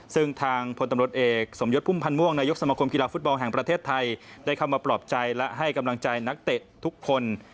ซึ่งทางพลตำรวจเอกสมยศพุ่มพันธ์ม่วงนายกสมคมกีฬาฟุตบอลแห่งประเทศไทยได้เข้ามาปลอบใจและให้กำลังใจนักเตะทุกคน